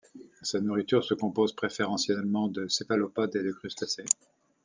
Sa nourriture se compose préférentiellement de céphalopodes et de crustacés.